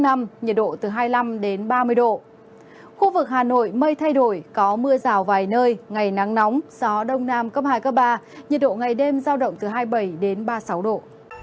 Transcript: nhiệt độ ngày đêm giao động từ hai mươi bảy đến ba mươi sáu độ